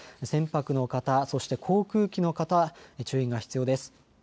船舶の方、そして航空機の方、注意が必要です。